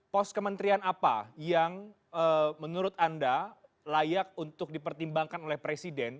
pos kementerian apa yang menurut anda layak untuk dipertimbangkan oleh presiden